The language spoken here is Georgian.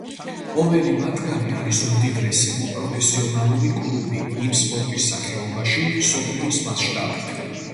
ყოველი მათგანი არის უმდიდრესი პროფესიონალური კლუბი იმ სპორტის სახეობაში მსოფლიოს მასშტაბით.